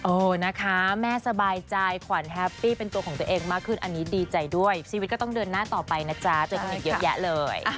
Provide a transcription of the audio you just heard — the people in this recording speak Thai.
เออนะคะแม่สบายใจขวัญแฮปปี้เป็นตัวของตัวเองมากขึ้นอันนี้ดีใจด้วยชีวิตก็ต้องเดินหน้าต่อไปนะจ๊ะเจอกันอีกเยอะแยะเลย